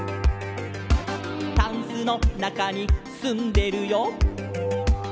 「タンスのなかにすんでるよ」